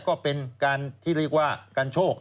ก็เป็นการที่เรียกว่าการโชค